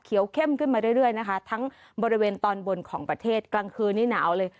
เข้มขึ้นมาเรื่อยนะคะทั้งบริเวณตอนบนของประเทศกลางคืนนี้หนาวเลย